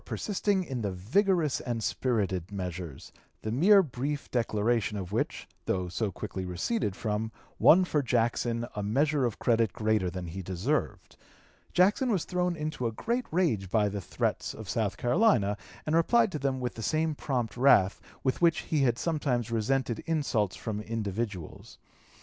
236) persisting in the vigorous and spirited measures, the mere brief declaration of which, though so quickly receded from, won for Jackson a measure of credit greater than he deserved. Jackson was thrown into a great rage by the threats of South Carolina, and replied to them with the same prompt wrath with which he had sometimes resented insults from individuals.